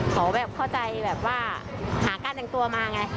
ขอเข้าใจหากล้านหนึ่งตัวมาไง